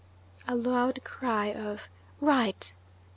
A loud cry of "Right!